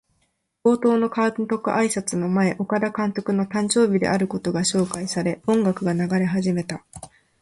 冒頭の監督あいさつの前、岡田監督の誕生日であることが紹介され、音楽が流れ始めた。